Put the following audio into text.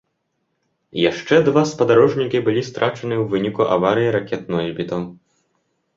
Яшчэ два спадарожнікі былі страчаны ў выніку аварый ракет-носьбітаў.